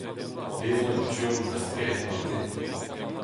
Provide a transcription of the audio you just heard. bezañ en tu-hont da spered mab-den